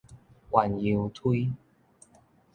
鴛鴦梯